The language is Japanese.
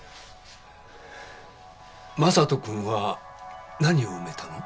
将人くんは何を埋めたの？